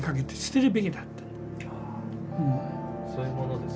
そういうものですか？